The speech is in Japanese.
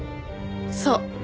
そう。